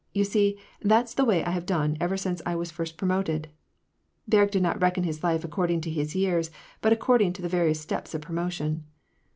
You see, that's the way I have done ever since 1 was first promoted." — Berg did not reckon his life according to his years, but according to the va rious steps of promotion.